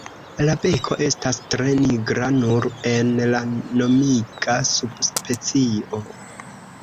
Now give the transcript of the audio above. La beko estas tre nigra nur en la nomiga subspecio.